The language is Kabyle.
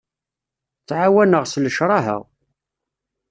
Tɛawen-aɣ s lecraha.